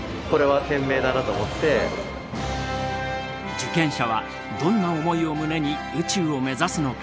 受験者はどんな思いを胸に宇宙を目指すのか？